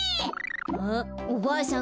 あおばあさん